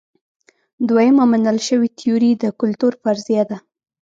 دویمه منل شوې تیوري د کلتور فرضیه ده.